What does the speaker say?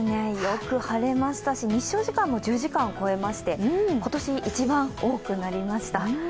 よく晴れましたし、日照時間も１０時間を超えまして今年一番多くなりました。